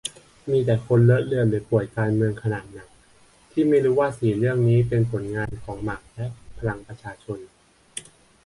มีแต่คนเลอะเลือนหรือป่วยการเมืองขนาดหนัก ที่ไม่รู้ว่าสี่เรื่องนี้เป็นผลงานของหมักและพลังประชาชน